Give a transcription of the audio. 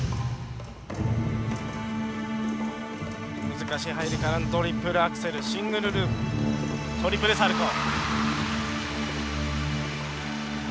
難しい入りからのトリプルアクセルシングルループトリプルサルコー。